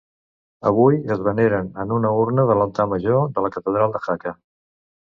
Avui es veneren en una urna de l'altar major de la Catedral de Jaca.